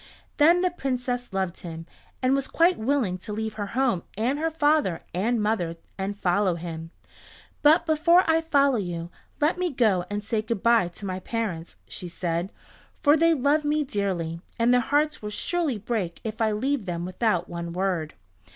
Then the Princess loved him, and was quite willing to leave her home and her father and mother and follow him. "But before I follow you, let me go and say good by to my parents," she said, "for they love me dearly, and their hearts will surely break if I leave them without one word."